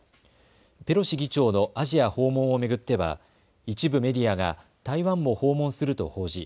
ペロシ議長のアジア訪問を巡っては一部メディアが台湾も訪問すると報じ